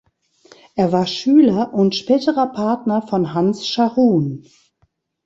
Er war Schüler und späterer Partner von Hans Scharoun.